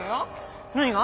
何が？